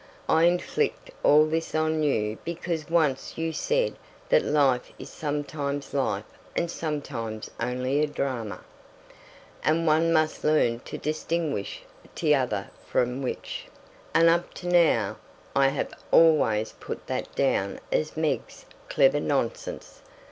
I inflict all this on you because once you said that life is sometimes life and sometimes only a drama, and one must learn to distinguish t'other from which, and up to now I have always put that down as 'Meg's clever nonsense.'